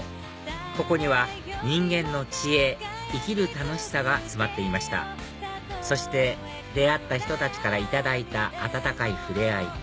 ここには人間の知恵生きる楽しさが詰まっていましたそして出会った人たちから頂いた温かい触れ合い